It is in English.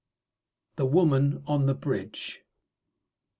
THE WOMAN ON THE BRIDGE.